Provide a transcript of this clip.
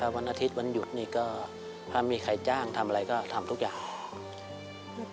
วันอาทิตย์วันหยุดนี่ก็ถ้ามีใครจ้างทำอะไรก็ทำทุกอย่าง